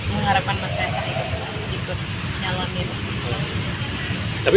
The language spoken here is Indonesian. mengharapkan mas kaisang itu ikut nyelamin